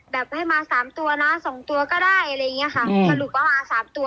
แบบให้มาสามตัวนะสองตัวก็ได้อะไรอย่างเงี้ยค่ะสรุปว่ามาสามตัว